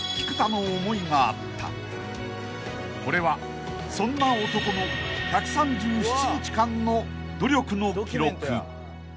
［これはそんな男の１３７日間の努力の記録］